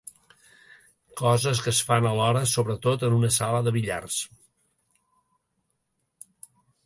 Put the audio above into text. Coses que es fan alhora, sobretot en una sala de billars.